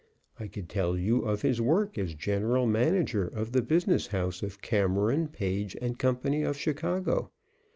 I could tell you of his work as general manager of the business house of Cameron, Page & Co. of Chicago.